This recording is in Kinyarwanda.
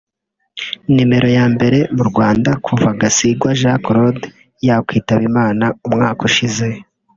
nimero ya mbere mu Rwanda kuva Gasigwa Jean Claude yakwitaba Imana umwaka ushize